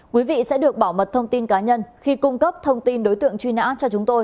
quý vị sẽ được bảo mật thông tin cá nhân khi cung cấp thông tin đối tượng truy nã cho chúng tôi